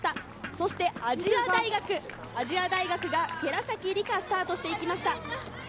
そして亜細亜大学、亜細亜大学が寺崎梨華、スタートしていきました。